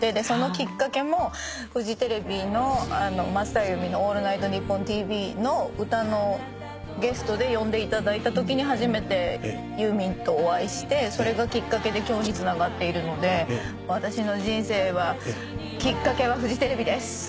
そのきっかけもフジテレビの『松任谷由実のオールナイトニッポンＴＶ』の歌のゲストで呼んでいただいたときに初めてユーミンとお会いしてそれがきっかけで今日につながっているので私の人生は「きっかけはフジテレビ」です。